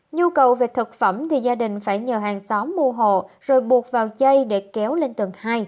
nhu cầu về thực phẩm thì gia đình phải nhờ hàng xóm mua hồ rồi buộc vào dây để kéo lên tầng hai